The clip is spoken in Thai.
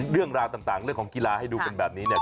เรื่องราวต่างเรื่องของกีฬาให้ดูกันแบบนี้เนี่ย